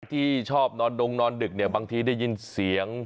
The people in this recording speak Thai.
ที่ชอบนอนดงนอนดึกเนี่ยบางทีได้ยินเสียง